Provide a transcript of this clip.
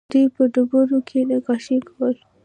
دوی په ډبرو کې نقاشي کوله